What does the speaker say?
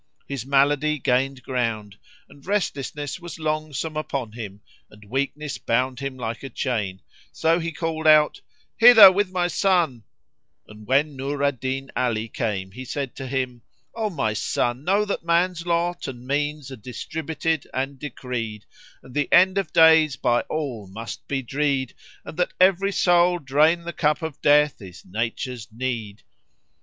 His malady gained ground and restlessness was longsome upon him and weakness bound him like a chain; so he called out, "Hither with my son;" and when Nur al Din Ali came he said to him, "O my son, know that man's lot and means are distributed and decreed; and the end of days by all must be dree'd; and that every soul drain the cup of death is nature's need."